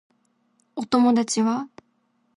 お友達は